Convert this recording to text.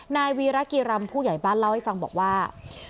นายวีรกิรำผู้ใหญ่บ้านเล่าให้ฟังบอกว่า